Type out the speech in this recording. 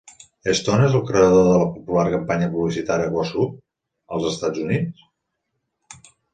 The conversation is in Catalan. Stone és el creador de la popular campanya publicitària Whassup? als Estats Units.